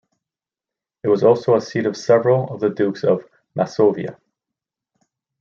It was also a seat of several of the dukes of Masovia.